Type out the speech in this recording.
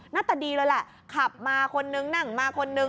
หน้าตาดีเลยแหละขับมาคนนึงนั่งมาคนนึง